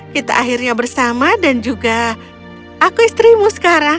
kita akhirnya bersama dan juga aku istrimu sekarang